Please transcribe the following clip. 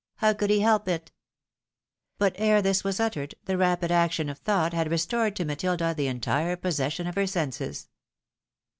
How could he help it ?" But ere this was uttered, the rapid action of thought had restored to Matilda the entire possession of her senses.